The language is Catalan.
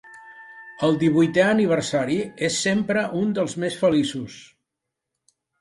El divuitè aniversari és sempre un dels més feliços.